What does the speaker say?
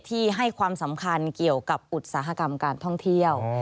ให้ความสำคัญเกี่ยวกับอุตสาหกรรมการท่องเที่ยว